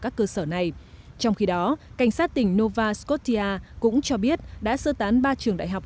các cơ sở này trong khi đó cảnh sát tỉnh nova scottia cũng cho biết đã sơ tán ba trường đại học